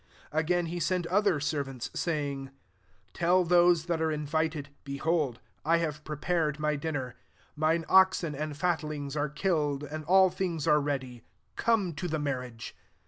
4 Again he sei|t other servants, saying, * Tell those that are in titedi Beholdt I have prepared my dinner ; mifie oxen and fat ^ lings are killed and all things ar4, ready ; come to the marriage.'